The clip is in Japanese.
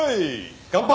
乾杯！